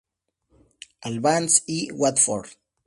Albans y Watford.